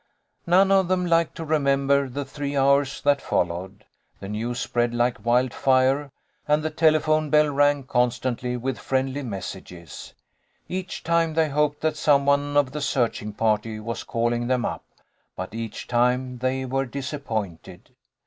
None of them like to remember the three hours that followed. The news spread like wild fire, and the telephone bell rang constantly with friendly mes sages. Each time they hoped that some one of the searching party was calling them up, but each time they were disappointed.